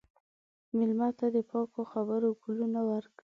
مېلمه ته د پاکو خبرو ګلونه ورکړه.